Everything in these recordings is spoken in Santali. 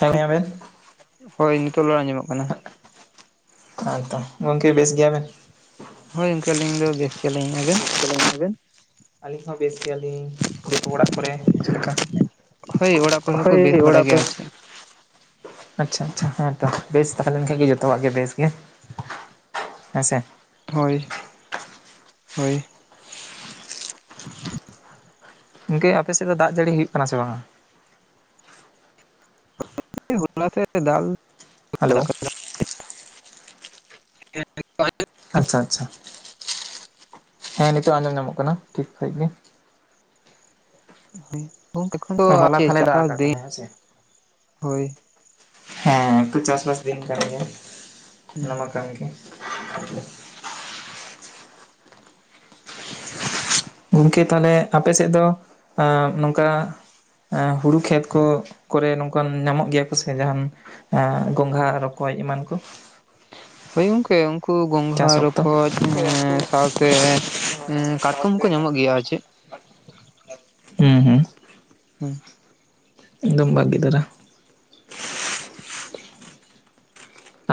ᱦᱮᱸᱭᱟᱵᱮᱱ ᱦᱳᱭ ᱱᱤᱛᱚᱜ ᱫᱚ ᱟᱸᱡᱚᱢᱚᱜ ᱠᱟᱱᱟ᱾ ᱦᱚᱭᱛᱚ ᱜᱚᱢᱠᱮ ᱵᱮᱥ ᱜᱮᱭᱟ ᱵᱮᱱ ᱦᱳᱭ ᱜᱚᱝᱠᱮ ᱟᱹᱞᱤᱧ ᱫᱚ ᱵᱮᱥ ᱞᱤᱧ ᱟᱵᱮᱱ ᱟᱹᱞᱤᱧ ᱦᱚᱸ ᱵᱮᱥ ᱜᱮᱭᱟᱞᱤᱧ ᱚᱲᱟᱜ ᱠᱚᱨᱮ ᱪᱮᱫ ᱞᱮᱠᱟ ᱦᱳᱭ ᱚᱲᱟᱜ ᱠᱚᱨᱮ ᱦᱚᱸᱠᱚ ᱵᱮᱥ ᱵᱟᱲᱟ ᱜᱮᱭᱟ ᱟᱨ ᱪᱮ ᱟᱪᱪᱷᱟ ᱟᱪᱪᱷᱟ ᱦᱮᱸᱛᱚ ᱵᱮᱥ ᱛᱟᱦᱮ ᱞᱮᱱ ᱠᱷᱟᱱ ᱜᱮ ᱡᱚᱛᱚᱣᱟᱜ ᱜᱮ ᱵᱮᱥ ᱜᱮ ᱦᱮᱸᱥᱮ ᱦᱳᱭ ᱦᱳᱭ ᱤᱝᱠᱮ ᱟᱯᱮ ᱥᱮᱫ ᱫᱚ ᱫᱟᱜ ᱡᱟᱹᱲᱤ ᱦᱩᱭᱩᱜ ᱠᱟᱱᱟ ᱥᱮ ᱵᱟᱝ-ᱟ ᱦᱚᱞᱟ ᱛᱮ ᱫᱟᱜ ᱠᱟᱫ ᱦᱮᱞᱳ ᱛᱟᱦᱮᱸᱱᱟ [unintelligible] ᱟᱪᱪᱷᱟ ᱟᱪᱪᱷᱟ ᱦᱮᱸ ᱱᱤᱛᱚᱜ ᱟᱸᱡᱚᱢ ᱧᱟᱢᱚᱜ ᱠᱟᱱᱟ ᱴᱷᱤᱠ ᱥᱟᱹᱦᱤᱡ ᱜᱮ ᱦᱩᱭ ᱛᱚᱠᱷᱚᱱ ᱫᱚ ᱦᱚᱞᱟ ᱛᱟᱦᱚᱞᱮ ᱪᱟᱥ ᱫᱟᱜ ᱵᱟᱥ ᱟᱠᱟᱫ ᱫᱤᱱ ᱛᱟᱦᱮᱱᱟᱭ ᱦᱮᱸ ᱥᱮ ᱦᱳᱭ ᱦᱮᱸ ᱮᱠᱴᱩ ᱪᱟᱥᱵᱟᱥ ᱫᱤᱱ ᱠᱟᱱ ᱜᱮᱭᱟ ᱦᱩᱸ ᱚᱱᱟᱢᱟ ᱠᱟᱱ ᱜᱮ ᱜᱚᱢᱠᱮ ᱛᱟᱦᱞᱮ ᱟᱯᱮ ᱥᱮᱫ ᱫᱚ ᱱᱚᱝᱠᱟ ᱦᱩᱲᱩ ᱠᱷᱮᱛ ᱠᱚ ᱠᱚᱨᱮ ᱱᱚᱝᱠᱟᱱ ᱧᱟᱢᱚᱜ ᱜᱮᱭᱟ ᱠᱚ ᱥᱮ ᱡᱟᱦᱟᱱ ᱟᱻ ᱜᱚᱝᱜᱷᱟ ᱨᱚᱠᱚᱡ ᱮᱢᱟᱱ ᱠᱚ ᱦᱳᱭ ᱜᱚᱝᱠᱮ ᱩᱱᱠᱩ ᱜᱚᱝᱜᱷᱟ ᱪᱟᱥ ᱚᱠᱛᱚ ᱨᱚᱠᱚᱡ ᱥᱟᱶᱛᱮ ᱠᱟᱴᱠᱚᱢ ᱦᱚᱸᱠᱚ ᱧᱟᱢᱚᱜ ᱜᱮᱭᱟ ᱟᱨ ᱪᱮᱫ ᱦᱩᱸ ᱦᱩᱸ ᱦᱩᱸ ᱮᱠᱫᱚᱢ ᱵᱷᱟᱹᱜᱮ ᱫᱟᱨᱟ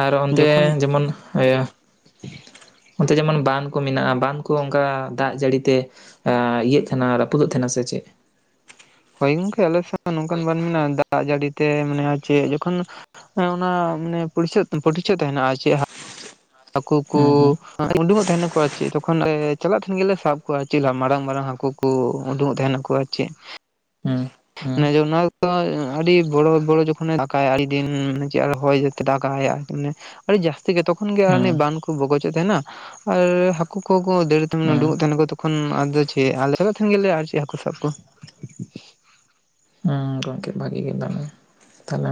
ᱟᱨ ᱚᱱᱛᱮ ᱡᱚᱠᱷᱚᱱ ᱡᱮᱢᱚᱱ ᱤᱭᱟᱹ ᱚᱱᱛᱮ ᱡᱮᱢᱚᱱ ᱵᱟᱸᱫ ᱠᱚ ᱢᱮᱱᱟᱜ-ᱟ ᱵᱟᱸᱫ ᱠᱚ ᱚᱱᱠᱟ ᱫᱟᱜ ᱡᱟᱹᱲᱤ ᱛᱮ ᱟᱻ ᱤᱭᱟᱹᱜ ᱠᱷᱟᱱᱟ ᱨᱟᱹᱯᱩᱫᱚᱜ ᱛᱟᱦᱮᱸᱱᱟ ᱥᱮ ᱪᱮᱫ ᱦᱳᱭ ᱜᱚᱝᱠᱮ ᱟᱞᱮ ᱥᱮ ᱱᱚᱝᱠᱟᱱ ᱵᱟᱝ ᱢᱮᱱᱟᱜ-ᱟ ᱫᱟᱜ ᱡᱟᱹᱲᱤᱛᱮ ᱢᱟᱱᱮ ᱪᱮᱫ ᱡᱚᱠᱷᱚᱱ ᱚᱱᱟ ᱢᱟᱱᱮ ᱯᱚᱨᱪ ᱯᱚᱨᱤᱪᱚᱭ ᱛᱟᱦᱮᱸᱱᱟ ᱪᱮᱫ ᱦᱟᱹᱠᱩ ᱠᱩ ᱦᱩᱸ ᱦᱩᱸ ᱩᱰᱩᱠᱚᱜ ᱛᱟᱦᱮᱸᱱᱟ ᱠᱚ ᱟᱨ ᱪᱮᱫ ᱛᱚᱠᱷᱚᱱ ᱪᱟᱞᱟᱜ ᱛᱟᱦᱮᱸᱱ ᱜᱮᱞᱮ ᱥᱟᱵ ᱠᱚᱣᱟ ᱟᱨ ᱪᱮᱫ ᱢᱟᱨᱟᱝ ᱢᱟᱨᱟᱝ ᱦᱟᱹᱠᱩ ᱠᱚ ᱩᱰᱩᱝᱚᱜ ᱛᱟᱦᱮᱸᱱᱟ ᱠᱚ ᱟᱨ ᱪᱮᱫ ᱦᱩᱸ ᱦᱩᱸ ᱚᱱᱟ ᱫᱚ ᱚᱱᱟ ᱟᱹᱰᱤ ᱵᱚᱲᱚ ᱵᱚᱲᱚ ᱡᱚᱠᱷᱚᱱᱮ ᱫᱟᱜᱠᱟᱭ ᱟᱹᱰᱤ ᱫᱤᱱ ᱪᱮ ᱟᱨ ᱦᱚᱭ ᱫᱟᱜ ᱟᱭ ᱟᱨᱤ ᱢᱟᱱᱮ ᱟᱹᱰᱤ ᱡᱟᱹᱥᱛᱤ ᱜᱮ ᱛᱚᱠᱷᱚᱱ ᱜᱮ ᱦᱩᱸ ᱵᱟᱱ ᱠᱚ ᱵᱚᱜᱚᱡᱮᱫ ᱛᱟᱦᱮᱸᱱᱟ ᱟᱨ ᱦᱟᱹᱠᱩ ᱠᱚ ᱫᱟᱹᱲ ᱦᱩᱸ ᱩᱰᱩᱠᱚᱜ ᱛᱟᱦᱮᱸᱱᱟ ᱠᱚ ᱛᱚᱠᱷᱚᱱ ᱟᱫᱚ ᱪᱮᱫ ᱟᱞᱮ ᱪᱟᱞᱟᱜ ᱛᱟᱦᱮᱸᱱ ᱜᱮᱭᱟᱞᱮ ᱟᱨ ᱪᱮᱫ ᱦᱟᱹᱠᱩ ᱥᱟᱵ ᱠᱚ ᱦᱩᱸ ᱜᱚᱝᱠᱮ ᱵᱷᱟᱜᱤ ᱜᱮ ᱫᱮ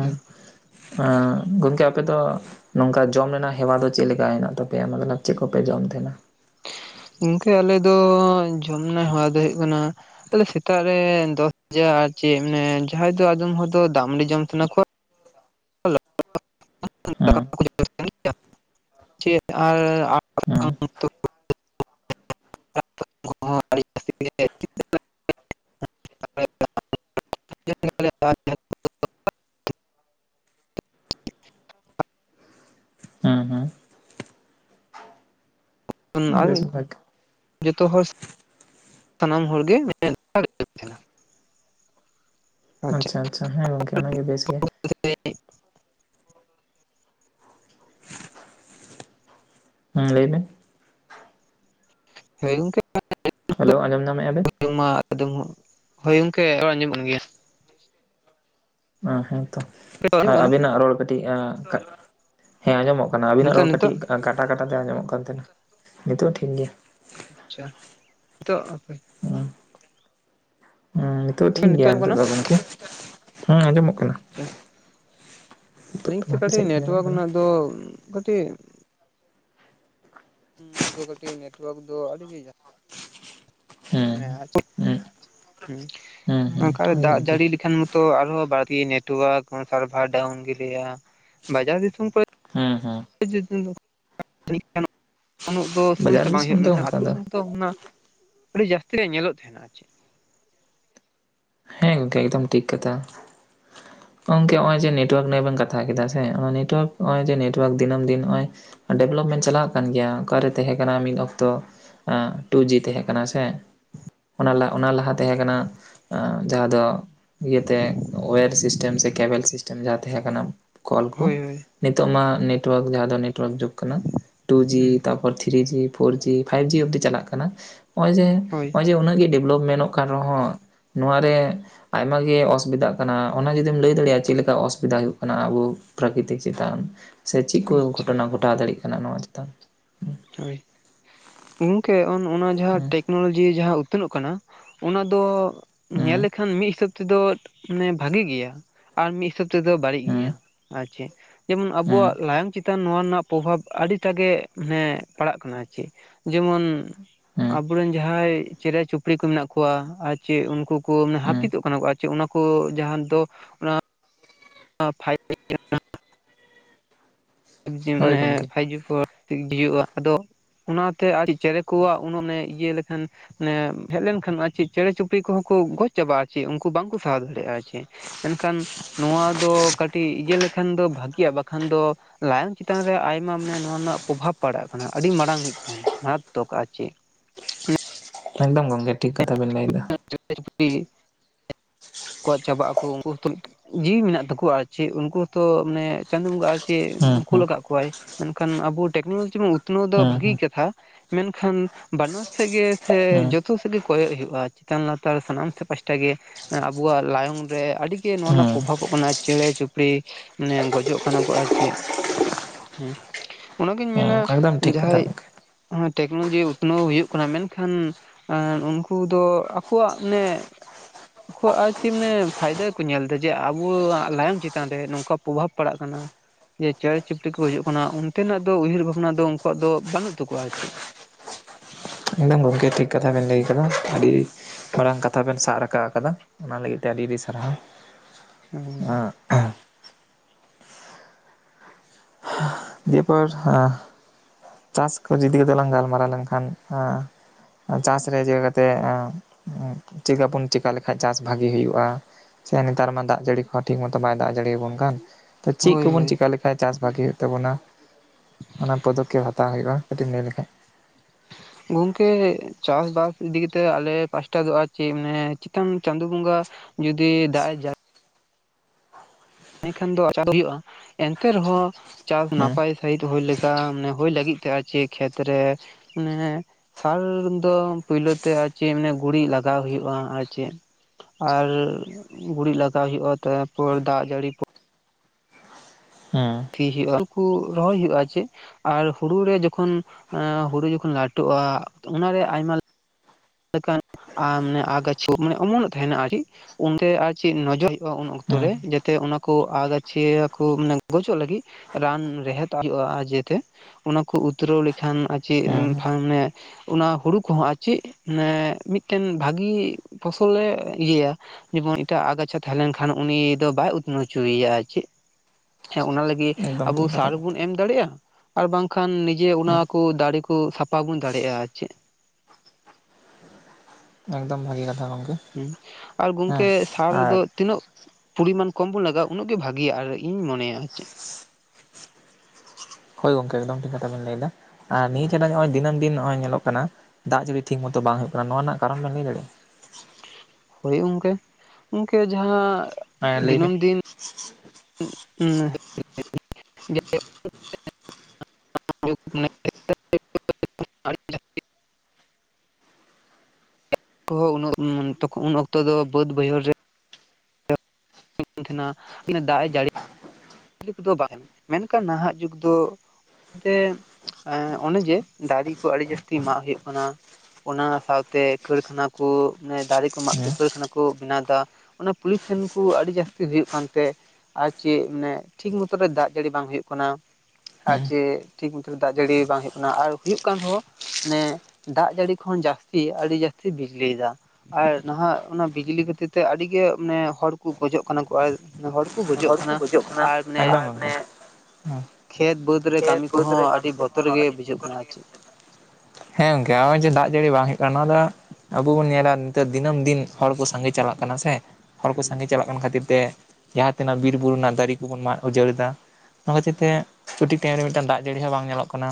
ᱦᱩᱸ ᱟᱻ ᱜᱚᱢᱠᱮ ᱟᱯᱮ ᱫᱚ ᱱᱚᱝᱠᱟ ᱡᱚᱢ ᱨᱮᱱᱟᱜ ᱦᱮᱣᱟ ᱫᱚ ᱪᱮᱫ ᱞᱮᱠᱟ ᱦᱮᱱᱟᱜ ᱛᱟᱯᱮᱭᱟ ᱢᱚᱛᱞᱚᱵ ᱪᱮᱫ ᱠᱚᱯᱮ ᱡᱚᱢ ᱛᱟᱦᱮᱸᱱᱟ ᱜᱚᱝᱠᱮ ᱟᱞᱮ ᱫᱚ ᱡᱚᱢ ᱨᱮᱱᱟᱜ ᱦᱮᱣᱟ ᱫᱚ ᱦᱩᱭᱩᱜ ᱠᱟᱱᱟ ᱟᱞᱮ ᱥᱮᱛᱟᱜ ᱨᱮ ᱫᱚ ᱡᱟᱨ ᱡᱮ ᱪᱮᱫ ᱡᱟᱦᱟᱸᱭ ᱫᱚ ᱟᱫᱚᱢ ᱦᱚᱲ ᱫᱚ ᱫᱟᱜ ᱢᱟᱹᱰᱤ ᱡᱚᱢ ᱛᱟᱦᱮᱸᱱ ᱠᱚ ᱦᱩᱸ [unintelligible] ᱪᱮᱫ ᱟᱨ ᱦᱩᱸ [unintelligible] [unintelligible] [unintelligible] ᱦᱩᱸ ᱦᱩᱸ ᱟᱨ ᱵᱮᱥ ᱢᱤᱫ ᱵᱷᱟᱜ ᱡᱚᱛᱚ ᱦᱚᱲ ᱥᱟᱱᱟᱢ ᱦᱚᱲᱜᱮ ᱢᱮᱱ [unintelligible] ᱱᱟ ᱟᱪᱪᱷᱟ ᱟᱪᱪᱷᱟ ᱦᱮᱸ ᱜᱚᱝᱠᱮ ᱚᱱᱟᱜᱮ ᱵᱮᱥ ᱜᱮᱭᱟ [unintelligible] ᱦᱮᱸ ᱞᱟᱹᱭ ᱢᱮ ᱦᱳᱭ ᱜᱚᱝᱠᱮ ᱦᱮᱞᱳ ᱟᱸᱡᱚᱢ ᱧᱟᱢᱮᱫ ᱟ ᱵᱮᱱ ᱢᱟ ᱟᱫᱚᱢ ᱦᱳᱭ ᱜᱚᱝᱠᱮ ᱨᱚᱲ ᱟᱸᱡᱚᱢᱚᱜ ᱠᱟᱱ ᱜᱮᱭᱟ ᱚ ᱦᱮᱸ ᱛᱚ ᱟᱨ ᱟᱸᱡᱚᱢᱚᱜ ᱠᱟᱱᱟ ᱟᱹᱵᱤᱱᱟᱜ ᱨᱚᱲ ᱠᱟᱹᱴᱤᱡ ᱦᱮᱸ ᱟᱸᱡᱚᱢᱚᱜ ᱠᱟᱱᱟ ᱟᱹᱵᱤᱱᱟᱜ ᱱᱤᱛᱚᱜ ᱨᱚᱲ ᱠᱟᱹᱴᱤᱡ ᱱᱤᱛᱚᱜ ᱠᱟᱴᱟ ᱠᱟᱴᱟ ᱛᱮ ᱟᱸᱡᱚᱢᱚᱜ ᱠᱟᱱ ᱛᱟᱦᱮᱸᱱᱟ ᱱᱤᱛᱚᱜ ᱴᱷᱤᱠ ᱜᱮᱭᱟ ᱟᱪᱪᱷᱟ ᱱᱤᱛᱚᱜ [inaudible] ᱦᱩᱸ [inaudible] ᱱᱤᱛᱚᱜ ᱜᱚᱝᱠᱮ ᱴᱷᱤᱠ ᱜᱮᱭᱟ ᱟᱸᱡᱚᱢᱚᱜ ᱱᱤᱛᱚᱜ ᱠᱟᱱᱟ ᱜᱚᱢᱠᱮ ᱦᱮᱸ ᱟᱸᱡᱚᱢᱚᱜ ᱠᱟᱱᱟ ᱱᱤᱛᱚᱜ ᱟᱞᱧ ᱫᱚ ᱥᱮᱫ ᱵᱷᱟᱜᱤ ᱠᱟᱹᱴᱤᱡ ᱥᱟᱺᱦᱤᱡ ᱟᱸᱡᱚᱢᱚᱜ ᱱᱮᱴᱚᱣᱟᱨᱠ ᱠᱟᱱᱟ ᱨᱮᱱᱟᱜ ᱫᱚ ᱠᱟᱹᱴᱤᱡ ᱫᱚ ᱠᱟᱹᱴᱤᱡ ᱱᱮᱴᱚᱣᱟᱨᱠ ᱫᱚ ᱟᱹᱰᱤ ᱜᱮ ᱡᱟᱞᱟ ᱦᱮᱸ [unintelligible] ᱟᱫᱚ ᱦᱮᱸ ᱦᱩᱸ ᱦᱮᱸ ᱦᱮᱸ ᱚᱱᱠᱟ ᱦᱳᱭ ᱫᱟᱜ ᱜᱚᱢᱠᱮ ᱡᱟᱹᱲᱤ ᱞᱮᱠᱷᱟᱱ ᱢᱟᱛᱚ ᱟᱨᱦᱚᱸ ᱵᱟᱹᱲᱛᱤ ᱱᱮᱴᱚᱣᱟᱨᱠ ᱥᱟᱨᱵᱷᱟᱨ ᱰᱟᱣᱩᱱ ᱜᱮᱞᱟᱹᱭᱟ ᱵᱟᱡᱟᱨ ᱫᱤᱥᱚᱢ ᱠᱚᱨᱮ ᱦᱮᱸ ᱦᱮᱸ ᱩᱱᱟᱹᱜ ᱫᱚ ᱵᱟᱡᱟᱨ ᱥᱚᱢᱚᱥᱥᱟ ᱵᱟᱝ ᱫᱤᱥᱚᱢ ᱦᱩᱭᱩᱜᱼᱟ ᱫᱚ ᱢᱮᱱ ᱠᱷᱟᱱ ᱚᱱᱠᱟ ᱟᱛᱩ ᱥᱮᱱ ᱫᱚ ᱥᱚᱢᱚᱥᱥᱟ ᱛᱚ ᱚᱱᱟ ᱟᱹᱰᱤ ᱡᱟᱹᱥᱛᱤ ᱨᱮᱭᱟᱜ ᱧᱮᱞᱚᱜ ᱛᱟᱦᱮᱸᱱᱟ ᱟᱨ ᱪᱮᱫ ᱦᱮᱸ ᱜᱚᱝᱠᱮ ᱮᱠᱫᱚᱢ ᱴᱷᱤᱠ ᱠᱟᱛᱷᱟ ᱜᱚᱝᱠᱮ ᱱᱚᱜ ᱚᱭ ᱡᱮ ᱱᱮᱴᱚᱣᱟᱨᱠ ᱱᱤᱭᱟᱹ ᱵᱮᱱ ᱠᱟᱛᱷᱟ ᱠᱮᱫᱟ ᱥᱮ ᱱᱮᱴᱚᱣᱟᱨᱠ ᱱᱚᱜᱼᱚᱭ ᱡᱮ ᱱᱮᱴᱚᱣᱟᱨᱠ ᱫᱤᱱᱟᱹᱢ ᱫᱤᱱ ᱱᱚᱜᱼᱚᱭ ᱰᱮᱵᱷᱞᱚᱯᱢᱮᱱᱴ ᱪᱟᱞᱟᱜ ᱠᱟᱱ ᱜᱮᱭᱟ ᱚᱠᱟᱨᱮ ᱛᱟᱦᱮᱸ ᱠᱟᱱᱟ ᱢᱤᱫ ᱚᱠᱛᱚ ᱴᱩ ᱡᱤ ᱛᱟᱦᱮᱸ ᱠᱟᱱᱟ ᱥᱮ ᱚᱱᱟ ᱚᱱᱟ ᱞᱟᱦᱟ ᱛᱟᱦᱮᱸ ᱠᱟᱱᱟ ᱡᱟᱦᱟᱸ ᱫᱚ ᱤᱭᱟᱹᱛᱮ ᱳᱭᱮᱨ ᱥᱤᱥᱴᱮᱢ ᱥᱮ ᱠᱮᱵᱮᱞ ᱥᱤᱥᱴᱮᱢ ᱡᱟᱦᱟᱸ ᱛᱟᱦᱮᱸ ᱠᱟᱱᱟ ᱠᱚᱞ ᱠᱚ ᱦᱳᱭ ᱦᱳᱭ ᱱᱤᱛᱚᱜ ᱢᱟ ᱱᱮᱴᱚᱣᱟᱨᱠ ᱡᱟᱦᱟᱸ ᱫᱚ ᱱᱮᱴᱚᱣᱟᱨᱠ ᱡᱩᱜᱽ ᱠᱟᱱᱟ ᱴᱩ ᱡᱤ ᱦᱩᱸ ᱛᱟᱯᱚᱨ ᱯᱚᱨ ᱛᱷᱨᱤ ᱡᱤ ᱯᱷᱳᱨ ᱡᱤ ᱯᱷᱟᱭᱤᱵᱷ ᱡᱤ ᱚᱵᱫᱤ ᱪᱟᱞᱟᱜ ᱠᱟᱱᱟ ᱱᱚᱜ ᱚᱭ ᱡᱮ ᱦᱳᱭ ᱱᱚᱜᱼᱚᱭ ᱡᱮ ᱩᱱᱟᱹᱜ ᱜᱮ ᱰᱮᱵᱷᱞᱚᱯᱢᱱᱚᱜ ᱠᱟᱱ ᱨᱮᱦᱚᱸ ᱱᱚᱣᱟ ᱨᱮ ᱟᱭᱢᱟ ᱜᱮ ᱚᱥᱩᱵᱤᱫᱟᱜ ᱠᱟᱱᱟ ᱚᱱᱟ ᱡᱩᱫᱤᱢ ᱞᱟᱹᱭ ᱫᱟᱲᱮᱭᱟᱜᱼᱟ ᱪᱮᱫ ᱞᱮᱠᱟ ᱚᱥᱩᱵᱤᱫᱟ ᱦᱩᱭᱩᱜ ᱠᱟᱱᱟ ᱟᱵᱚ ᱯᱨᱟᱠᱨᱤᱛᱤᱠ ᱪᱮᱛᱟᱱ ᱥᱮ ᱪᱮᱫ ᱠᱚ ᱟᱪᱪᱷᱟ ᱜᱷᱚᱴᱱᱟ ᱜᱷᱚᱴᱟᱣ ᱫᱟᱲᱮᱭᱟᱜ ᱠᱟᱱᱟ ᱱᱚᱣᱟ ᱪᱮᱛᱟᱱ ᱦᱳᱭ ᱜᱚᱝᱠᱮ ᱚᱱ-ᱚᱱᱟ ᱡᱟᱦᱟᱸ ᱦᱩᱸ ᱴᱮᱠᱱᱳᱞᱚᱡᱤ ᱡᱟᱦᱟᱸ ᱩᱛᱱᱟᱹᱜ ᱠᱟᱱᱟ ᱚᱱᱟ ᱫᱚ ᱧᱮᱞ ᱦᱩᱸ ᱞᱮᱠᱷᱟᱱ ᱢᱤᱫ ᱦᱤᱥᱟᱹᱵ ᱛᱮᱫᱚ ᱢᱟᱱᱮ ᱵᱷᱟᱹᱜᱮ ᱜᱮᱭᱟ ᱟᱨ ᱢᱤᱫ ᱦᱤᱥᱟᱹᱵ ᱛᱮᱫᱚ ᱵᱟᱹᱲᱤᱡ ᱜᱮᱭᱟ ᱦᱩᱸ ᱟᱨ ᱪᱮᱫ ᱡᱮᱢᱚᱱ ᱦᱩᱸ ᱦᱩᱸ ᱟᱵᱚᱣᱟᱜ ᱞᱟᱭᱚᱝ ᱪᱮᱛᱟᱱ ᱱᱚᱣᱟ ᱨᱮᱱᱟᱜ ᱯᱨᱚᱵᱷᱟᱵᱽ ᱟᱹᱰᱤᱴᱟᱜ ᱜᱮ ᱢᱟᱱᱮ ᱯᱟᱲᱟᱜ ᱠᱟᱱᱟ ᱟᱨ ᱪᱮ ᱡᱮᱢᱚᱱ ᱦᱩᱸ ᱟᱵᱚᱨᱮᱱ ᱡᱟᱦᱟᱸᱭ ᱪᱮᱬᱮ ᱪᱩᱯᱲᱤ ᱠᱚ ᱢᱮᱱᱟᱜ ᱠᱚᱣᱟ ᱟᱨ ᱪᱮᱫ ᱩᱱᱠᱩ ᱠᱚ ᱢᱟᱱᱮ ᱦᱩᱸ ᱦᱟᱹᱯᱤᱫᱚᱜ ᱠᱟᱱᱟ ᱠᱚ ᱟᱨ ᱪᱮ ᱚᱱᱟ ᱠᱚ ᱡᱟᱦᱟᱸ ᱫᱚ ᱚᱱᱟ ᱯᱷᱟᱭᱤᱯ ᱡᱤ [unintelligible] ᱡᱮ ᱦᱳᱭ ᱢᱟᱱᱮ ᱜᱚᱝᱠᱮ ᱯᱷᱟᱭᱤᱵᱷ ᱡᱤ ᱯᱚᱨ ᱦᱩᱭᱩᱜᱼᱟ ᱟᱫᱚ ᱚᱱᱟ ᱛᱮ ᱟᱹᱰᱤ ᱪᱮᱬᱮ ᱠᱚᱣᱟᱜ ᱩᱱᱟᱹᱜ ᱮᱢ ᱤᱭᱟᱹ ᱞᱮᱠᱷᱟᱱ ᱦᱮᱡ ᱞᱮᱱᱠᱷᱟᱱ ᱟᱨ ᱪᱮᱫ ᱪᱮᱬᱮ ᱪᱩᱯᱲᱤ ᱠᱚᱦᱚᱸ ᱠᱚ ᱜᱚᱡ ᱪᱟᱵᱟᱜᱼᱟ ᱪᱮ ᱩᱱᱠᱩ ᱵᱟᱝᱠᱚ ᱥᱟᱦᱟᱣ ᱫᱟᱲᱮᱭᱟᱜᱼᱟ ᱟᱨ ᱪᱮ ᱮᱱᱠᱷᱟᱱ ᱱᱚᱣᱟ ᱫᱚ ᱠᱟᱹᱴᱤᱡ ᱤᱭᱟᱹ ᱞᱮᱠᱷᱟᱱ ᱫᱚ ᱵᱷᱟᱹᱜᱤᱜᱼᱟ ᱵᱟᱠᱷᱟᱱ ᱫᱚ ᱞᱟᱭᱚᱝ ᱪᱮᱛᱟᱱ ᱨᱮ ᱟᱭᱢᱟ ᱢᱟᱱᱮ ᱱᱚᱣᱟ ᱨᱮᱱᱟᱜ ᱯᱨᱚᱵᱷᱟᱵᱽ ᱯᱟᱲᱟᱜ ᱠᱟᱱᱟ ᱟᱹᱰᱤ ᱢᱟᱨᱟᱝ ᱢᱤᱫᱴᱮᱱ ᱢᱟᱨᱟᱛᱛᱚᱠ ᱟᱨ ᱪᱮᱫ ᱮᱠᱫᱚᱢ ᱜᱚᱢᱠᱮ ᱴᱤᱠ ᱠᱟᱛᱷᱟ ᱵᱤᱱ ᱞᱟᱹᱭ ᱮᱫᱟ [inaudible] ᱜᱚᱡ ᱪᱟᱵᱟᱜ ᱟᱠᱚ ᱩᱱᱠᱩ ᱦᱚᱸ ᱛᱚ ᱡᱤᱣᱤ ᱢᱮᱱᱟᱜ ᱛᱟᱠᱚᱣᱟ ᱟᱨ ᱪᱮ ᱩᱱᱠᱩ ᱦᱚᱸ ᱛᱚ ᱢᱟᱱᱮ ᱪᱟᱸᱫᱚ ᱵᱚᱸᱜᱟ ᱟᱨ ᱪᱮ ᱦᱩᱸ ᱠᱩᱞ ᱦᱩᱸ ᱠᱟᱜ ᱠᱚᱣᱟᱭ ᱢᱮᱱᱠᱷᱟᱱ ᱟᱵᱚ ᱴᱮᱠᱱᱳᱞᱚᱡᱤ ᱵᱚᱱ ᱩᱛᱱᱟᱹᱣ ᱫᱚ ᱦᱩᱸ ᱵᱷᱟᱜᱤ ᱠᱟᱛᱷᱟ ᱢᱮᱱᱠᱷᱟᱱ ᱵᱟᱱᱟᱨ ᱥᱮᱫ ᱜᱮ ᱥᱮ ᱦᱩᱸ ᱡᱚᱛᱚ ᱥᱮᱫ ᱜᱮ ᱠᱚᱭᱚᱜ ᱦᱳᱭᱳᱜᱼᱟ ᱪᱮᱛᱟᱱ ᱞᱟᱛᱟᱨ ᱥᱟᱱᱟᱢ ᱯᱟᱥᱴᱟ ᱜᱮ ᱟᱵᱚᱣᱟᱜ ᱞᱟᱭᱚᱝ ᱨᱮ ᱟᱹᱰᱤ ᱜᱮ ᱱᱚᱣᱟ ᱨᱮᱱᱟᱜ ᱦᱩᱸ ᱦᱩᱸ ᱯᱨᱚᱵᱷᱟᱵᱽᱚᱜ ᱠᱟᱱᱟ ᱪᱮᱬᱮ ᱪᱩᱯᱲᱤ ᱢᱟᱱᱮ ᱜᱚᱡᱚᱜ ᱠᱟᱱᱟ ᱠᱚ ᱟᱨ ᱪᱮᱫ [unintelligible] ᱦᱮᱸ ᱚᱱᱟᱜᱤᱧ ᱦᱩᱸ ᱢᱮᱱᱟ ᱮᱠᱫᱚᱢ ᱴᱷᱤᱠ ᱠᱟᱛᱷᱟ ᱡᱟᱦᱟᱸᱭ ᱜᱚᱝᱠᱮ ᱴᱮᱠᱱᱳᱞᱚᱡᱤ ᱩᱛᱱᱟᱹᱣ ᱦᱳᱭᱩᱜ ᱠᱟᱱᱟ ᱢᱮᱱᱠᱷᱟᱱ ᱟᱨ ᱩᱱᱠᱩ ᱫᱚ ᱟᱠᱚᱣᱟᱜ ᱢᱟᱱᱮ ᱟᱨ ᱪᱮᱫ ᱢᱟᱱᱮ ᱯᱷᱟᱭᱫᱟ ᱜᱮᱠᱚ ᱧᱮᱞ ᱫᱟ ᱡᱮ ᱟᱵᱚᱣᱟᱜ ᱞᱟᱭᱚᱝ ᱪᱮᱛᱟᱱᱨᱮ ᱱᱚᱝᱠᱟ ᱯᱚᱵᱷᱟᱵᱽ ᱯᱟᱲᱟᱜ ᱠᱟᱱᱟ ᱡᱮ ᱪᱮᱬᱮ ᱪᱤᱯᱲᱤ ᱠᱚ ᱜᱩᱡᱩᱜ ᱠᱟᱱᱟ ᱚᱱᱛᱮᱱᱟᱜ ᱫᱚ ᱩᱭᱦᱟᱹᱨ ᱵᱷᱟᱵᱽᱱᱟ ᱫᱚ ᱩᱱᱠᱩᱣᱟᱜ ᱫᱚ ᱵᱟᱹᱱᱩᱜ ᱛᱟᱠᱚᱣᱟ ᱟᱨ ᱪᱮᱫ ᱮᱠᱫᱚᱢ ᱜᱚᱝᱠᱮ ᱴᱷᱤᱠ ᱠᱟᱛᱷᱟ ᱵᱮᱱ ᱞᱟᱹᱭ ᱠᱟᱫᱟ ᱟᱹᱰᱤ ᱢᱟᱨᱟᱝ ᱠᱟᱛᱷᱟ ᱵᱮᱱ ᱥᱟᱵ ᱨᱟᱠᱟᱵ ᱟᱠᱟᱫᱟ ᱚᱱᱟ ᱞᱟᱹᱜᱤᱫ ᱛᱮ ᱟᱹᱰᱤ ᱟᱹᱰᱤ ᱥᱟᱨᱦᱟᱣ [unintelligible] ᱫᱤᱭᱟᱹᱯᱚᱨ [unintelligible] ᱪᱟᱥ ᱠᱚ ᱤᱫᱤ ᱠᱟᱛᱮ ᱞᱟᱝ ᱜᱟᱞᱢᱟᱨᱟᱣ ᱞᱮᱱᱠᱷᱟᱱ ᱟᱨ ᱪᱟᱥᱨᱮ ᱪᱤᱠᱟᱹ ᱠᱟᱛᱮ ᱪᱤᱠᱟᱵᱩᱱ ᱪᱤᱠᱟ ᱞᱮᱠᱷᱟᱱ ᱪᱟᱥ ᱵᱷᱟᱜᱤ ᱦᱩᱭᱩᱜᱼᱟ ᱥᱮ ᱱᱮᱛᱟᱨ ᱢᱟ ᱫᱟᱜ ᱡᱟᱹᱲᱤ ᱠᱚᱦᱚᱸ ᱴᱷᱤᱠ ᱢᱚᱛᱚ ᱵᱟᱭ ᱫᱟᱜ ᱡᱟᱹᱲᱤᱭᱟ ᱟᱵᱚᱱ ᱠᱟᱱ ᱪᱤᱫ ᱦᱳᱭ ᱠᱚᱵᱚᱱ ᱦᱳᱭ ᱪᱤᱠᱟ ᱞᱮᱠᱷᱟᱡ ᱪᱟᱥ ᱵᱷᱟᱜᱤ ᱦᱩᱭᱩᱜᱼᱟ ᱛᱟᱵᱚᱱᱟ [unintelligible] ᱚᱱᱟ ᱯᱚᱫᱚᱠᱷᱮᱯ ᱦᱟᱛᱟᱣ ᱦᱳᱭᱳᱜᱼᱟ ᱠᱟᱹᱴᱤᱡ ᱮᱢ ᱞᱟᱹᱭ ᱞᱮᱠᱷᱟᱱ ᱜᱚᱝᱠᱮ ᱪᱟᱥᱵᱟᱥ ᱤᱫᱤᱠᱟ ᱠᱟᱛᱮ ᱟᱞᱮ ᱯᱟᱥᱴᱟ ᱫᱚ ᱟᱨ ᱪᱮᱫ ᱪᱮᱛᱟᱱ ᱪᱟᱸᱫᱚ ᱵᱚᱸᱜᱟ ᱡᱩᱫᱤ ᱫᱟᱜ ᱮ ᱡᱟᱹᱲᱤ ᱠᱷᱟᱱ ᱫᱚ ᱟᱥᱟ ᱦᱩᱭᱩᱜ-ᱟ ᱮᱱᱛᱮ ᱨᱮᱦᱚᱸ ᱪᱟᱥ ᱦᱩᱸ ᱱᱟᱯᱟᱭ ᱥᱟᱦᱤᱡ ᱦᱳᱭ ᱞᱮᱠᱟ ᱢᱟᱱᱮ ᱦᱳᱭ ᱞᱟᱹᱜᱤᱫ ᱛᱮ ᱟᱨ ᱪᱮ ᱠᱷᱮᱛᱨᱮ ᱢᱟᱱᱮ ᱥᱟᱨ ᱫᱚ ᱯᱳᱭᱞᱳ ᱛᱮ ᱟᱨ ᱪᱮᱫ ᱜᱩᱨᱤᱡ ᱞᱟᱜᱟᱣ ᱦᱩᱭᱩᱜᱼᱟ ᱟᱨ ᱪᱮᱫ ᱟᱨ ᱜᱩᱨᱤᱡ ᱞᱟᱜᱟᱣ ᱦᱩᱭᱩᱜᱼᱟ ᱛᱟᱯᱚᱨ ᱫᱟᱜ ᱡᱟᱹᱲᱤ ᱦᱮᱸ ᱥᱤ ᱦᱳᱭᱳᱜᱼᱟ ᱩᱛᱩ ᱠᱚ ᱨᱚᱦᱚᱭ ᱦᱩᱭᱳᱜᱼᱟ ᱪᱮᱫ ᱟᱨ ᱦᱩᱲᱩᱨᱮ ᱡᱚᱠᱷᱚᱱ ᱦᱩᱲᱩ ᱡᱚᱠᱷᱚᱱ ᱞᱟᱹᱴᱩᱜᱼᱟ ᱚᱱᱟᱨᱮ ᱟᱭᱢᱟ ᱞᱮᱠᱟᱱ [unintelligible] ᱟᱜᱟᱪᱷᱤ ᱢᱟᱱᱮ ᱚᱢᱚᱱᱚᱜ ᱛᱟᱦᱮᱱᱟ ᱟᱨᱠᱤ ᱚᱱᱛᱮ ᱟᱨ ᱪᱮᱫ ᱱᱚᱡᱚᱨ ᱦᱳᱭᱳᱜᱼᱟ ᱩᱱ ᱚᱠᱛᱚ ᱦᱮᱸ ᱨᱮ ᱡᱟᱛᱮ ᱚᱱᱟ ᱠᱚ ᱟᱜᱟᱪᱷᱤ ᱠᱚ ᱜᱚᱡᱚᱜ ᱞᱟᱹᱜᱤᱫ ᱨᱟᱱ ᱨᱮᱦᱮᱫ ᱦᱩᱭᱩᱜᱼᱟ ᱡᱟᱛᱮ ᱚᱱᱟ ᱠᱚ ᱩᱛᱨᱟᱹᱣ ᱞᱮᱠᱷᱟᱱ ᱟᱨ ᱪᱮᱫ ᱦᱮᱸ ᱦᱮᱸ ᱚᱱᱟ ᱦᱩᱲᱩ ᱠᱚᱦᱚᱸ ᱟᱨ ᱪᱮᱫ ᱢᱟᱱᱮ ᱢᱤᱫᱴᱮᱱ ᱵᱷᱟᱜᱤ ᱯᱷᱚᱥᱚᱞᱮ ᱤᱭᱟᱹᱭᱼᱟ ᱡᱮᱢᱚᱱ ᱮᱴᱟᱜ ᱟᱜᱟᱪᱷᱟ ᱛᱟᱦᱮᱸ ᱞᱮᱱᱠᱷᱟᱱ ᱩᱱᱤ ᱫᱚ ᱵᱟᱭ ᱩᱛᱱᱟᱹᱣ ᱦᱚᱪᱚᱭᱮᱭᱟ ᱟᱨ ᱪᱮᱫ, ᱦᱮ ᱚᱱᱟ ᱞᱟᱹᱜᱤᱫ ᱜᱮ ᱮᱠᱫᱚᱢ ᱟᱵᱚ ᱴᱷᱤᱠ ᱠᱟᱛᱷᱟ ᱥᱟᱨ ᱵᱚᱱ ᱜᱚᱢᱠᱮ ᱮᱢ ᱫᱟᱲᱮᱭᱟᱜᱼᱟ ᱟᱨ ᱵᱟᱝᱠᱷᱟᱱ ᱱᱤᱡᱮ ᱚᱱᱟ ᱦᱮᱸ ᱠᱚ ᱫᱟᱨᱮ ᱠᱚ ᱥᱟᱯᱷᱟ ᱵᱚᱱ ᱫᱟᱲᱮᱭᱟᱜᱼᱟ ᱟᱨ ᱪᱮᱫ ᱮᱠᱫᱚᱢ ᱵᱷᱟᱜᱮ ᱠᱟᱛᱷᱟ ᱜᱚᱢᱠᱮ ᱦᱮᱸ ᱟᱨ ᱦᱮᱸ ᱜᱚᱢᱠᱮ ᱥᱟᱨ ᱟᱨ ᱨᱮᱫᱚ ᱛᱤᱱᱟᱹᱜ ᱯᱚᱨᱤᱢᱟᱱ ᱠᱚᱢ ᱵᱚᱱ ᱞᱟᱜᱟᱣᱼᱟ ᱩᱱᱟᱹᱜ ᱜᱮ ᱵᱷᱟᱜᱤᱭᱟ ᱟᱨ ᱤᱧ ᱢᱚᱱᱮᱭᱟ ᱪᱮ ᱦᱳᱭ ᱜᱚᱝᱠᱮ ᱮᱠᱫᱚᱢ ᱴᱷᱤᱠ ᱠᱟᱛᱷᱟ ᱵᱮᱱ ᱞᱟᱹᱭ ᱮᱫᱟ ᱟᱨ ᱱᱤᱭᱟᱹ ᱪᱟᱸᱫᱳ ᱱᱚᱜᱼᱚᱭ ᱫᱤᱱᱟᱹᱢ ᱫᱤᱱ ᱱᱚᱜᱚᱭ ᱧᱮᱞᱚᱜ ᱠᱟᱱᱟ ᱫᱟᱜ ᱡᱟᱹᱲᱤ ᱴᱷᱤᱠ ᱢᱚᱛᱚ ᱵᱟᱝ ᱦᱩᱭᱩᱜ ᱠᱟᱱᱟ ᱱᱚᱣᱟ ᱨᱮᱱᱟᱜ ᱠᱟᱨᱚᱱ ᱵᱮᱱ ᱞᱟᱹᱭ ᱫᱟᱲᱮᱭᱟᱜᱼᱟ ᱦᱳᱭ [unintelligible] ᱜᱚᱢᱠᱮ ᱡᱟᱦᱟᱸ ᱦᱮᱸ ᱞᱟᱹᱭ ᱵᱮᱱ ᱫᱤᱱᱟᱹᱢ ᱫᱤᱱ [unintelligible] [unintelligible] ᱩᱱ ᱚᱠᱛᱚ ᱫᱚ ᱵᱟᱹᱫᱽ ᱵᱟᱹᱭᱦᱟᱹᱲ ᱨᱮ [unintelligible] ᱛᱤᱱᱟᱹᱜ ᱫᱟᱜ ᱮ ᱡᱟᱹᱲᱤ [unintelligible] ᱫᱚ ᱵᱟᱝ ᱢᱮᱱᱠᱷᱟᱱ ᱱᱟᱦᱟᱜ ᱡᱩᱜᱽ ᱫᱚ ᱛᱮ [unintelligible] ᱚᱱᱮ ᱡᱮ ᱫᱟᱨᱮ ᱠᱚ ᱟᱹᱰᱤ ᱡᱟᱹᱥᱛᱤ ᱢᱟᱜ ᱦᱩᱭᱩᱜ ᱠᱟᱱᱟ ᱚᱱᱟ ᱥᱟᱶᱛᱮ ᱠᱟᱹᱨᱠᱷᱟᱱᱟ ᱠᱚ ᱢᱟᱱᱮ ᱫᱟᱨᱮ ᱠᱚ ᱢᱟᱜ ᱦᱮᱸ ᱠᱟᱛᱮᱜ ᱠᱟᱹᱨᱠᱷᱟᱱᱟ ᱠᱚ ᱵᱮᱱᱟᱣ ᱮᱫᱟ ᱚᱱᱟ ᱯᱩᱞᱤᱥᱮᱱ ᱠᱚ ᱟᱹᱰᱤ ᱡᱟᱹᱥᱛᱤ ᱦᱳᱭᱳᱜ ᱠᱟᱱᱛᱮ ᱟᱨ ᱪᱮᱫ ᱢᱟᱱᱮ ᱴᱷᱤᱠ ᱢᱚᱛᱚ ᱨᱮ ᱫᱟᱜ ᱡᱟᱹᱲᱤ ᱵᱟᱝ ᱦᱩᱭᱩᱜ ᱠᱟᱱᱟ ᱟᱨ ᱦᱮᱸ ᱡᱮ ᱴᱷᱤᱠ ᱢᱚᱛᱚ ᱫᱟᱜ ᱡᱟᱹᱲᱤ ᱵᱟᱝ ᱦᱳᱭᱳᱜ ᱠᱟᱱᱟ ᱟᱨ ᱦᱳᱭᱳᱜ ᱠᱟᱱ ᱨᱮᱦᱚᱸ ᱢᱟᱱᱮ ᱫᱟᱜ ᱡᱟᱹᱲᱤ ᱠᱷᱚᱱ ᱡᱟᱹᱥᱛᱤ ᱟᱹᱰᱤ ᱡᱟᱹᱥᱛᱤ ᱵᱤᱡᱽᱞᱤᱭᱮᱫᱟ ᱟᱨ ᱱᱟᱦᱟᱜ ᱚᱱᱟ ᱵᱤᱡᱽᱞᱤ ᱠᱷᱟᱹᱛᱤᱨ ᱛᱮ ᱟᱹᱰᱤᱜᱮ ᱢᱟᱱᱮ ᱦᱚᱲᱠᱚ ᱜᱚᱡᱚᱜ ᱠᱟᱱᱟ ᱠᱚ ᱟᱨ ᱦᱚᱲ ᱠᱚ ᱜᱚᱡᱚᱜ ᱠᱟᱱᱟ ᱟᱨ ᱢᱟᱱᱮ ᱮᱠᱫᱚᱢ ᱜᱚᱢᱠᱮ ᱠᱷᱮᱛ ᱵᱟᱹᱫᱽ ᱨᱮ ᱠᱟᱹᱢᱤ ᱠᱚᱦᱚᱸ ᱟᱹᱰᱤ ᱵᱚᱛᱚᱨ ᱜᱮ ᱵᱩᱡᱷᱟᱹᱜ ᱠᱟᱱᱟ ᱟᱨ ᱪᱮᱫ ᱦᱮᱸ ᱜᱚᱝᱠᱮ ᱱᱚᱜᱼᱚᱭ ᱡᱮ ᱫᱟᱜ ᱡᱟᱹᱲᱤ ᱵᱟᱝ ᱦᱩᱭᱩᱜ ᱠᱟᱱᱟ ᱱᱚᱣᱟ ᱫᱚ ᱟᱵᱚ ᱵᱚᱱ ᱧᱮᱞᱟ ᱱᱤᱛᱚᱜ ᱫᱤᱱᱟᱹᱢ ᱫᱤᱱ ᱦᱚᱲ ᱠᱚ ᱥᱟᱸᱜᱮ ᱪᱟᱞᱟᱜ ᱠᱟᱱᱟ ᱥᱮ ᱦᱚᱲ ᱠᱚ ᱦᱩᱸ ᱥᱟᱸᱜᱮ ᱪᱟᱞᱟᱜ ᱠᱟᱱ ᱠᱷᱟᱹᱛᱤᱨ ᱛᱮ ᱡᱟᱦᱟᱸ ᱛᱮᱱᱟᱜ ᱵᱤᱨᱵᱩᱨᱩ ᱨᱮᱱᱟᱜ ᱫᱟᱨᱮ ᱠᱚᱵᱚᱱ ᱢᱟᱜ ᱩᱡᱟᱹᱲ ᱮᱫᱟ ᱚᱱᱟ ᱠᱷᱟᱹᱛᱤᱨ ᱛᱮ ᱥᱚᱴᱷᱤᱠ ᱴᱟᱭᱤᱢ ᱨᱮ ᱢᱤᱫᱴᱟᱝ ᱫᱟᱜ ᱡᱟᱹᱲᱤ ᱦᱚᱸ ᱵᱟᱝ ᱧᱮᱞᱚᱜ ᱠᱟᱱᱟ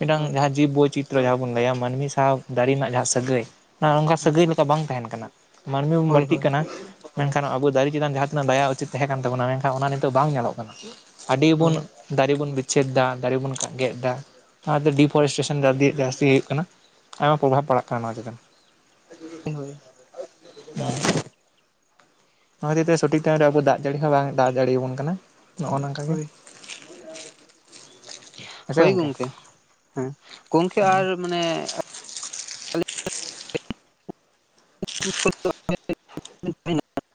ᱢᱤᱫᱴᱟᱝ ᱦᱳᱭ ᱡᱟᱦᱟᱸ ᱡᱤᱵ ᱵᱳᱭᱪᱤᱛᱨᱚ [unintelligible] ᱡᱟᱦᱟᱸ ᱵᱚᱱ ᱞᱟᱹᱭᱟ ᱢᱟᱹᱱᱢᱤ ᱥᱟᱶ ᱫᱟᱨᱮ ᱨᱮᱱᱟᱜ ᱡᱟᱦᱟᱸ ᱥᱟᱹᱜᱟᱹᱭ, ᱦᱮᱸ ᱱᱚᱝᱠᱟ ᱦᱩᱸ ᱥᱟᱹᱜᱟᱹᱭ ᱞᱮᱠᱟ ᱵᱟᱝ ᱛᱟᱦᱮᱱ ᱠᱟᱱᱟ ᱢᱟᱹᱱᱢᱤ ᱵᱚᱱ ᱦᱳᱭ ᱵᱟᱹᱲᱛᱤᱜ ᱦᱳᱭ ᱠᱟᱱᱟ ᱢᱮᱱᱠᱷᱟᱱ ᱟᱵᱚ ᱫᱟᱨᱮ ᱪᱮᱛᱟᱱ ᱡᱟᱦᱟᱸ ᱛᱤᱱᱟᱹᱜ ᱫᱟᱭᱟ ᱩᱪᱤᱛ ᱛᱟᱦᱮᱸ ᱠᱟᱱ ᱛᱟᱵᱚᱱᱟ ᱢᱮᱱᱠᱷᱟᱱ ᱚᱱᱟ ᱱᱤᱛᱚᱜ ᱵᱟᱝ ᱧᱮᱞᱚᱜ ᱠᱟᱱᱟ ᱟᱹᱰᱤ ᱵᱚᱱ ᱦᱳᱭ ᱫᱟᱨᱮ ᱵᱚᱱ ᱵᱤᱪᱷᱮᱫ ᱫᱟ ᱫᱟᱨᱮ ᱵᱚᱱ ᱜᱮᱫ ᱮᱫᱟ ᱚᱱᱟᱛᱮ ᱰᱤᱯᱷᱚᱨᱮᱥ ᱴᱮᱥᱚᱱᱤᱭ ᱡᱟᱹᱥᱛᱤᱳᱭ ᱠᱟᱱᱟ ᱟᱭᱢᱟ ᱯᱨᱚᱵᱷᱟᱵᱽ ᱯᱟᱲᱟᱜ ᱠᱟᱱᱟ ᱱᱚᱣᱟ ᱪᱮᱛᱟᱱ ᱦᱳᱭ ᱦᱳᱭ [inaudible] ᱱᱚᱣᱟ ᱠᱷᱚᱛᱤᱨ ᱛᱮ ᱥᱚᱴᱷᱤᱠ ᱴᱟᱭᱤᱢ ᱨᱮ ᱟᱵᱚ ᱫᱟᱜ ᱡᱟᱹᱲᱤ ᱦᱚᱸ ᱵᱟᱝ ᱫᱟᱜ ᱡᱟᱲᱮ ᱟᱵᱚᱱ ᱠᱟᱱᱟ ᱱᱚᱜᱼᱚ ᱱᱚᱝᱠᱟ ᱜᱮ [unintelligible] ᱦᱳᱭ ᱦᱳᱭ ᱜᱚᱝᱠᱮ ᱦᱮᱸ ᱜᱚᱢᱠᱮ ᱟᱨ ᱢᱟᱱᱮ [inaudible]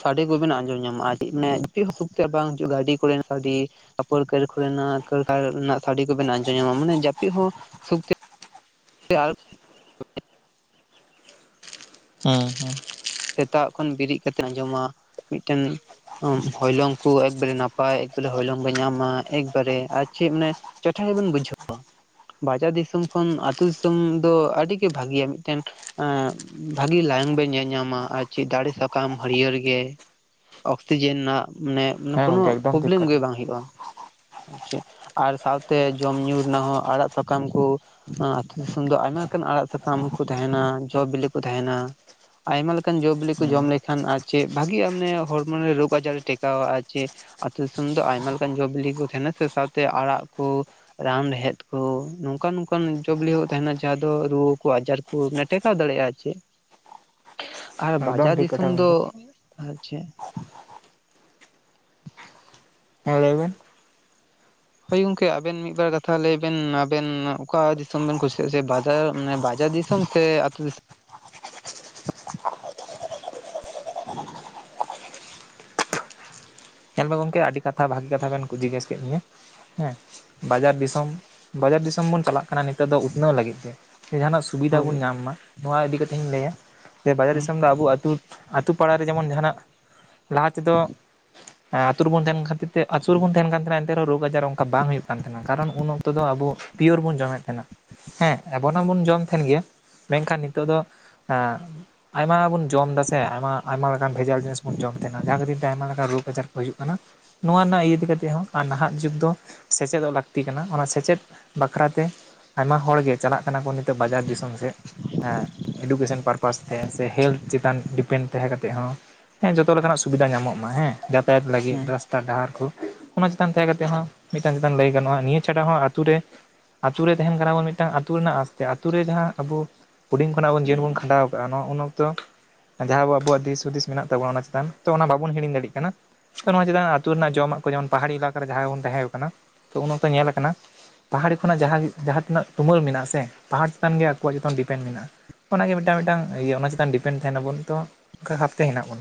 ᱥᱟᱰᱮ ᱠᱚᱵᱮᱱ ᱟᱸᱡᱚᱢ ᱧᱟᱢᱚᱜᱼᱟ ᱪᱮᱫ ᱢᱟᱱᱮ ᱪᱮᱫ ᱦᱟᱹᱥᱩᱠᱛᱮ ᱵᱟᱝ ᱦᱤᱡᱩᱜᱼᱟ ᱜᱟᱹᱰᱤ ᱠᱚᱨᱮᱱ ᱥᱟᱰᱮ ᱛᱟᱨᱯᱚᱨ ᱠᱟᱹᱨᱠᱷ ᱨᱮᱱᱟᱜ ᱠᱟᱹᱨᱠᱷ ᱨᱮᱱᱟᱜ ᱥᱟᱟᱹᱲᱤ ᱠᱚᱵᱮᱱ ᱟᱸᱡᱚᱢ ᱧᱟᱢᱟ ᱢᱟᱱᱮ ᱡᱟᱹᱯᱤᱫ ᱦᱚᱸ ᱥᱩᱠ ᱭᱟᱨ [unintelligible] ᱦᱮᱸ ᱦᱮᱸ ᱥᱮᱛᱟᱜ ᱠᱷᱚᱱ ᱵᱮᱨᱤᱫ ᱠᱟᱛᱮᱫ ᱟᱸᱡᱚᱢᱟ ᱢᱤᱫᱴᱮᱱ ᱦᱚᱭᱞᱚᱝ ᱠᱚ ᱮᱠᱵᱟᱨᱮ ᱱᱟᱯᱟᱭ ᱮᱠᱵᱟᱨᱮ ᱦᱚᱭᱞᱚᱝ ᱵᱮᱱ ᱧᱟᱢᱟ ᱮᱠᱵᱟᱨᱮ ᱟᱨ ᱪᱮᱫ ᱢᱟᱱᱮ ᱪᱮᱴᱷᱟ ᱜᱮᱵᱚᱱ ᱵᱩᱡᱷᱟᱹᱣᱟ ᱵᱟᱡᱟᱨ ᱫᱤᱥᱚᱢ ᱠᱷᱚᱱ ᱟᱹᱛᱩᱳ ᱫᱤᱥᱚᱢ ᱫᱚ ᱟᱹᱰᱤᱜᱤ ᱵᱷᱟᱹᱜᱤᱭᱟ ᱢᱤᱫᱴᱮᱱ ᱵᱷᱟᱹᱜᱤ ᱞᱟᱭᱚᱝ ᱵᱮᱱ ᱧᱮᱞᱧᱟᱢᱟ ᱟᱨ ᱪᱮᱫ ᱫᱟᱨᱮ ᱥᱟᱠᱟᱢ ᱦᱟᱹᱨᱭᱟᱹᱲ ᱜᱮ ᱚᱠᱥᱤᱡᱮᱱ ᱨᱮᱱᱟᱜ ᱢᱟᱱᱮ ᱦᱮᱸ ᱠᱳᱱᱳ ᱜᱚᱝᱠᱮ ᱮᱠᱫᱚᱢ ᱴᱷᱤᱠ ᱯᱨᱚᱵᱞᱮᱢ ᱜᱮ ᱠᱟᱛᱷᱟ ᱵᱟᱝ ᱦᱳᱭᱳᱼᱟ ᱪᱮ ᱟᱨ ᱥᱟᱶᱛᱮ ᱡᱚᱢ ᱧᱩ ᱨᱮᱱᱟᱜ ᱦᱚᱸ ᱟᱲᱟᱜ ᱥᱟᱠᱟᱢ ᱠᱩ ᱟ ᱟᱹᱛᱩ ᱫᱤᱥᱚᱢ ᱫᱚ ᱟᱭᱢᱟ ᱞᱮᱠᱟᱱ ᱟᱲᱟᱜ ᱥᱟᱠᱟᱢ ᱠᱚ ᱛᱟᱦᱮᱱᱟ ᱡᱚ ᱵᱤᱞᱤ ᱠᱚ ᱛᱟᱦᱮᱱᱟ ᱟᱭᱢᱟ ᱞᱮᱠ ᱠᱟᱱ ᱡᱚ ᱵᱤᱞᱤ ᱠᱚ ᱡᱚᱢ ᱦᱮᱸ ᱞᱮᱠᱷᱟᱱ ᱟᱨ ᱪᱮᱫ ᱵᱷᱟᱜᱤ ᱢᱟᱱᱮ ᱦᱚᱲᱢᱚ ᱨᱮ ᱨᱳᱜᱽ ᱟᱡᱟᱨᱮ ᱴᱮᱠᱟᱣᱟ ᱟᱨ ᱪᱮᱫ ᱟᱹᱛᱩᱳ ᱫᱤᱥᱚᱢ ᱫᱚ ᱟᱭᱢᱟ ᱞᱮᱠᱟᱱ ᱡᱚ ᱵᱤᱞᱤ ᱠᱚ ᱛᱟᱦᱮᱱᱟ ᱥᱮ ᱥᱟᱶᱛᱮ ᱟᱲᱟᱜ ᱠᱚ ᱨᱟᱱ ᱨᱮᱦᱮᱫ ᱠᱚ ᱱᱚᱝᱠᱟᱱ ᱱᱚᱝᱠᱟᱱ ᱡᱚᱵᱞᱤ ᱦᱚ ᱛᱟᱦᱮᱱᱟ ᱡᱟᱦᱟᱸ ᱫᱚ ᱨᱩᱣᱟᱹ ᱠᱚ ᱟᱡᱟᱨ [unintelligible] ᱴᱮᱠᱟᱣ ᱫᱟᱲᱮᱭᱟᱜᱼᱟ ᱟᱨ ᱪᱮᱫ [inaudible] ᱟᱨ ᱵᱟᱡᱟᱨ ᱴᱷᱤᱠ ᱫᱤᱥᱚᱢ ᱠᱟᱛᱷᱟ ᱫᱚ ᱜᱚᱝᱠᱮ ᱟᱨ ᱪᱮᱫ ᱦᱮᱸ ᱞᱟᱹᱭ ᱵᱮᱱ ᱦᱳᱭ ᱜᱚᱝᱠᱮ ᱟᱵᱮᱱ ᱢᱤᱫ ᱵᱟᱨ ᱠᱟᱛᱷᱟ ᱞᱟᱹᱭ ᱵᱮᱱ ᱟᱵᱮᱱ ᱚᱠᱟ ᱫᱤᱥᱚᱢ ᱵᱮᱱ ᱠᱩᱥᱤᱭᱟᱜᱼᱟ ᱥᱮ ᱵᱟᱡᱟᱨ ᱢᱟᱱᱮ ᱵᱟᱡᱟᱨ ᱫᱤᱥᱚᱢ? ᱥᱮ ᱟᱹᱛᱩ ᱫᱤᱥᱚᱢ? ᱛᱚᱵᱮ ᱜᱚᱢᱠᱮ ᱟᱹᱰᱤ ᱠᱟᱛᱷᱟ ᱵᱷᱟᱹᱜᱤ ᱠᱟᱛᱷᱟᱱ ᱠᱩᱡᱤ ᱡᱚᱥ ᱠᱮᱫᱤᱧᱭᱟ ᱦᱮᱸ ᱵᱟᱡᱟᱨ ᱫᱤᱥᱚᱢ ᱵᱟᱡᱟᱨ ᱫᱤᱥᱚᱢ ᱵᱚᱱ ᱪᱟᱞᱟᱜ ᱠᱟᱱᱟ ᱱᱤᱛᱚᱜ ᱫᱚ ᱩᱛᱱᱟᱹᱣ ᱞᱟᱹᱜᱤᱫ ᱛᱮ ᱡᱟᱦᱟᱱᱟᱜ ᱥᱩᱵᱤᱫᱷᱟ ᱦᱳᱭ ᱵᱚᱱ ᱧᱟᱢ ᱢᱟ ᱱᱚᱣᱟ ᱤᱫᱤ ᱠᱟᱛᱮ ᱤᱧ ᱞᱟᱹᱭᱟ ᱥᱮ ᱵᱟᱡᱟᱨ ᱦᱮᱸ ᱫᱤᱥᱚᱢ ᱫᱚ ᱟᱵᱚ ᱟᱛᱳ ᱟᱛᱳ ᱯᱟᱲᱟ ᱨᱮ ᱡᱮᱢᱚᱱ ᱡᱟᱦᱟᱱᱟᱜ ᱞᱟᱦᱟ ᱛᱮᱫᱚ ᱦᱮᱸ ᱟᱛᱩ ᱨᱮᱵᱩᱱ ᱛᱟᱦᱮᱱ ᱠᱷᱟᱹᱛᱤᱨ ᱛᱮ ᱟᱹᱪᱩ ᱨᱮᱵᱚᱱ ᱛᱟᱦᱮᱱ ᱠᱟᱱ ᱛᱟᱦᱮᱱᱟ ᱮᱱᱛᱮ ᱨᱮᱦᱚᱸ ᱨᱳᱜᱽ ᱟᱡᱟᱨ ᱚᱱᱠᱟ ᱵᱟᱝ ᱦᱩᱭᱩᱜ ᱠᱟᱱ ᱛᱟᱦᱮᱱᱟ ᱠᱟᱨᱚᱱ ᱩᱱ ᱚᱠᱛᱚ ᱫᱚ ᱟᱵᱚᱼᱼ ᱯᱤᱭᱳᱨ ᱵᱚᱱ ᱡᱚᱢᱮᱫ ᱛᱟᱦᱮᱱᱟ᱾ ᱦᱮᱸ ᱮᱵᱚ ᱚᱱᱟ ᱵᱚᱱ ᱡᱚᱢ ᱛᱟᱦᱮᱱ ᱜᱮᱭᱟ ᱢᱮᱱᱠᱷᱟᱱ ᱱᱤᱛᱚᱜ ᱫᱚ ᱮᱸ ᱟᱭᱢᱟ ᱵᱚᱱ ᱡᱚᱢ ᱫᱟᱥᱮ ᱟᱭᱢᱟ ᱟᱭᱢᱟ ᱞᱮᱠᱟᱱ ᱵᱷᱮᱡᱟᱞ ᱡᱤᱱᱤᱥ ᱵᱚᱱ ᱡᱚᱢ ᱛᱟᱦᱮᱱᱟ ᱡᱟᱦᱟᱸ ᱠᱷᱟᱹᱛᱤᱨ ᱛᱮ ᱟᱭᱢᱟ ᱞᱮᱠᱟᱱ ᱨᱳᱜᱽ ᱟᱡᱟᱨ ᱦᱩᱭᱩᱜ ᱠᱟᱱᱟ, ᱱᱚᱣᱟ ᱨᱮᱱᱟᱜ ᱤᱭᱟᱹᱤᱫᱤ ᱠᱟᱛᱮ ᱦᱚᱸ ᱟᱨ ᱱᱟᱦᱟᱜ ᱡᱩᱜᱽ ᱫᱚ ᱥᱮᱪᱮᱫᱚᱜ ᱞᱟᱹᱠᱛᱤ ᱠᱟᱱᱟ ᱚᱱᱟ ᱥᱮᱪᱮᱫ ᱵᱟᱠᱷᱨᱟ ᱛᱮ ᱟᱭᱢᱟ ᱦᱚᱲᱜᱮ᱾ ᱪᱟᱞᱟᱜ ᱠᱟᱱᱟ ᱠᱚ ᱱᱤᱛᱚᱜ ᱵᱟᱡᱟᱨ ᱫᱤᱥᱚᱢ ᱥᱮᱫ ᱦᱮᱸ ᱮᱰᱩᱠᱮᱥᱚᱱ ᱯᱟᱨᱯᱟᱥ᱾ ᱥᱮ ᱦᱮᱞᱛᱷ ᱪᱮᱛᱟᱱ ᱰᱤᱯᱮᱱᱰ ᱛᱟᱦᱮᱸ ᱠᱟᱛᱮ ᱦᱚᱸ ᱦᱮᱸ ᱡᱚᱛᱚ ᱞᱮᱠᱟᱱᱟᱜ ᱥᱩᱵᱤᱫᱟ ᱧᱟᱢᱚᱜ ᱢᱟ ᱦᱮᱸ [inaudible] ᱮᱫ ᱞᱟᱹᱜᱤᱫ ᱦᱮᱸ ᱫᱚ᱾ ᱰᱟᱦᱟᱨ ᱠᱚ ᱚᱱᱟ ᱪᱮᱛᱟᱱ ᱛᱟᱦᱮᱸ ᱠᱟᱛᱮᱫ ᱦᱚᱸ ᱢᱤᱫᱴᱟᱱ ᱪᱮᱛᱟᱱ ᱞᱟᱹᱭ ᱜᱟᱱᱚᱜᱼᱟ ᱱᱤᱭᱟᱹ ᱪᱷᱟᱰᱟ ᱦᱚᱸ ᱟᱛᱳ ᱨᱮ ᱟᱛᱳ ᱨᱮ ᱛᱟᱦᱮᱱ ᱠᱟᱱᱟ ᱵᱚᱱ ᱢᱤᱫᱴᱟᱝ ᱟᱹᱛᱩ ᱨᱮᱱᱟᱜ ᱟᱥᱸᱛᱮ ᱟᱛᱳ ᱨᱮ ᱡᱟᱦᱟᱸ ᱟᱵᱚ ᱦᱩᱰᱤᱧ ᱠᱷᱚᱱᱟᱜ ᱟᱵᱚᱱ ᱡᱤᱭᱚᱱ ᱵᱚᱱ ᱠᱷᱟᱸᱰᱟᱣ ᱠᱟᱜᱼᱟ ᱱᱚᱣᱟ ᱩᱱ ᱚᱠᱛᱚ ᱡᱟᱦᱟᱸᱵᱚ ᱟᱵᱚᱣᱟᱜ ᱫᱤᱥ ᱦᱩᱫᱤᱥ ᱢᱮᱱᱟᱜ ᱛᱟᱵᱚᱱᱟ ᱚᱱᱟ ᱪᱮᱛᱟᱱ ᱛᱚ ᱚᱱᱟ ᱵᱟᱵᱚᱱ ᱦᱤᱲᱤᱧ ᱫᱟᱲᱮᱜ ᱠᱟᱱᱟ᱾ ᱱᱚᱣᱟ ᱪᱮᱫᱟᱜ ᱟᱹᱛᱩ ᱨᱮᱱᱟᱜ ᱡᱚᱢᱟᱜ ᱠᱚ ᱡᱮᱢᱚᱱ ᱯᱟᱦᱟᱲᱤ ᱮᱞᱟᱠᱟ ᱨᱮ ᱡᱟᱦᱟᱸᱭ ᱵᱚᱱ ᱛᱟᱦᱮᱸᱣ ᱠᱟᱱᱟ ᱛᱚ ᱩᱱ ᱚᱠᱛᱚ ᱧᱮᱞ ᱟᱠᱟᱱᱟ᱾ ᱯᱟᱦᱟᱲᱤ ᱠᱷᱚᱱᱟᱜ ᱡᱟᱦᱟᱸᱜᱮ ᱡᱟᱦᱟᱸ ᱛᱤᱱᱟᱹᱜ ᱛᱩᱢᱟᱹᱞ ᱢᱮᱱᱟᱜᱼᱟ ᱥᱮ, ᱯᱟᱦᱟᱲ ᱪᱮᱛᱟᱱ ᱜᱮ ᱟᱠᱚᱣᱟᱜ ᱡᱚᱛᱚᱱ ᱰᱤᱯᱮᱱᱰ ᱢᱮᱱᱟᱜᱼᱟ᱾ ᱚᱱᱟᱜᱮ ᱢᱤᱫᱴᱟᱝ ᱢᱤᱫᱴᱟᱝ ᱤᱭᱟᱹ ᱚᱱᱟ ᱪᱮᱛᱟᱱ ᱰᱤᱯᱮᱱᱰ ᱛᱟᱦᱮᱱᱟᱵᱚᱱ ᱛᱚ ᱚᱠᱟ ᱦᱟᱯᱛᱮ ᱦᱮᱱᱟᱜ ᱵᱚᱱᱟ?